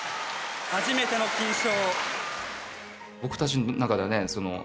初めての金賞。